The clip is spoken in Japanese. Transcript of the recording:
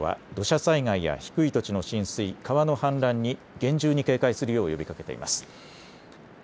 気象庁は土砂災害や低い土地の浸水、川の氾濫に厳重に警戒するよう呼びかけています。